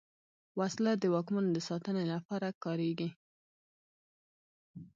وسله د واکمنو د ساتنې لپاره کارېږي